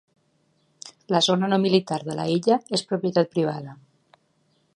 La zona no militar de la illa és propietat privada.